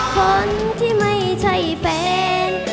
คนที่ไม่ใช่แฟน